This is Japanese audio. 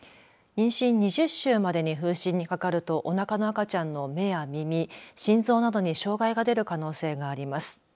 妊娠２０週までに風疹にかかるとおなかの赤ちゃんの目や耳心臓などに障害が出る可能性があります。